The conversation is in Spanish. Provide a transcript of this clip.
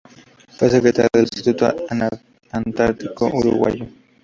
Fue secretaria del Instituto Antártico Uruguayo.